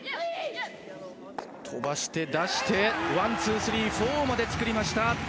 飛ばして出して、ワン、ツー、スリー、フォーまで作りました。